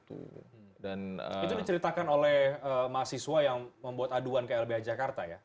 itu diceritakan oleh mahasiswa yang membuat aduan ke lbh jakarta ya